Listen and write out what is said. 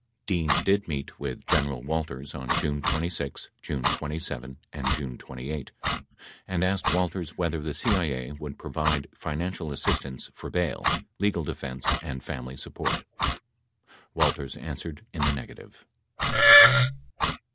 58 Dean did meet with General Walters on June 26, June 27 and June 28 and asked Walters whether the CIA would provide financial assistance for bail, legal defense and family support. Walters answered in the negative.